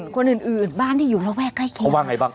คนอื่นบ้านที่อยู่แรกไกลขึ้นโอ้โฮว่า